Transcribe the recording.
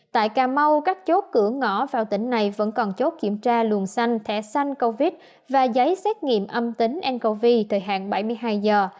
tại cà mau các chốt cửa ngõ vào tỉnh này vẫn còn chốt kiểm tra luồng xanh thẻ xanh covid và giấy xét nghiệm âm tính ncov thời hạn bảy mươi hai giờ